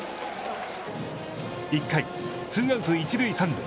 １回、ツーアウト、一塁三塁。